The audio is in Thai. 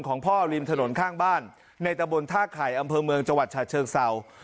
ของพ่อริมถนนข้างบ้านในตะบนท่าไข่อำเภอเมืองจังหวัดฉะเชิงเศร้า